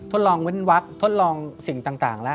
ทดลองเว้นวักทดลองสิ่งต่างแล้ว